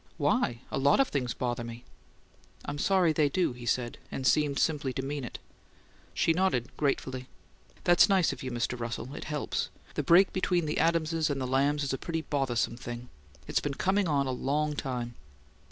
"Why? A lot of things bother me." "I'm sorry they do," he said, and seemed simply to mean it. She nodded gratefully. "That's nice of you, Mr. Russell. It helps. The break between the Adamses and the Lambs is a pretty bothersome thing. It's been coming on a long time."